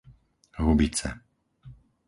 Hubice